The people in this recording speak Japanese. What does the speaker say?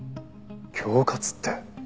恐喝って。